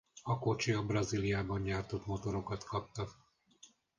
A kocsi a Brazíliában gyártott motorokat kapta.